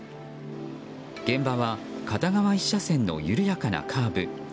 現場は片側１車線の緩やかなカーブ。